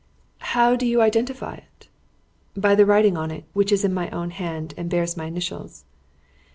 "How do you identify it?" "By the writing on it, which is in my own hand, and bears my initials."